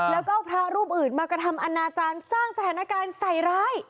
แล้วก็พระรูปอื่นมากระทำอนาจารย์สร้างสถานการณ์ใส่ร้าย